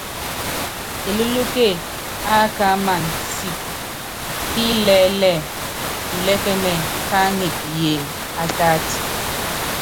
Elúklúke ákaáman sɛɛ ki ilɛɛ́ lɛ ilɛkɛ́n ká aŋɛp yeem átáát.